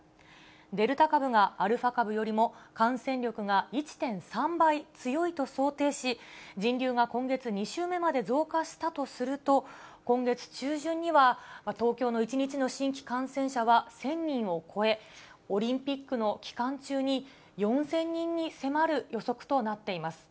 デルタ株がアルファ株よりも感染力が１．３倍強いと想定し、人流が今月２週目まで増加したとすると、今月中旬には東京の１日の新規感染者は１０００人を超え、オリンピックの期間中に４０００人に迫る予測となっています。